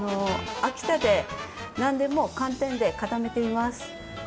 秋田でなんでも寒天で固めています。